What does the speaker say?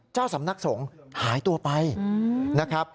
เจ้าสำนักสงฆ์หายตัวไปนะครับ